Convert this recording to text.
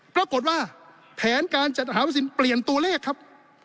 ปรากฏว่าแผนการจัดหาวัคซีนเปลี่ยนตัวเลขครับ